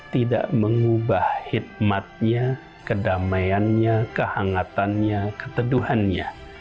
tidak mengubah hitmatnya kedamaiannya kehangatannya keteduhannya